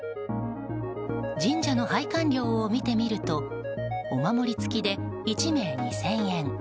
神社の拝観料を見てみるとお守り付きで１名２０００円。